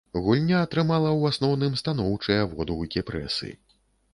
Гульня атрымала, у асноўным, станоўчыя водгукі прэсы.